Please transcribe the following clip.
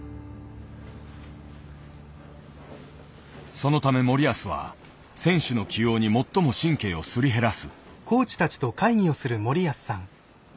そのため森保は選手の起用に最も神経をすり減らす。